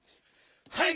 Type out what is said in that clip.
はい！